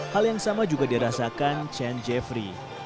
hal yang sama juga dirasakan chan jeffrey